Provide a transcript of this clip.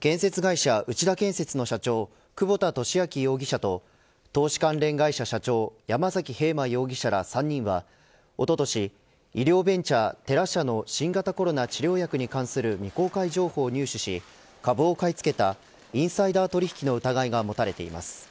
建設会社、内田建設の社長久保田俊明容疑者と投資関連会社社長山崎平馬容疑者ら３人は、おととし企業ベンチャー、テラ社の新型コロナ治療薬に関する未公開情報を入手し株を買い付けたインサイダー取引の疑いが持たれています。